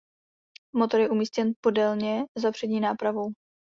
Motor je umístěn podélně za přední nápravou.